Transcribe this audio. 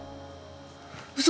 嘘！？